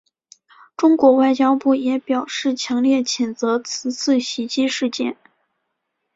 中国外交部也表示强烈谴责此次袭击事件。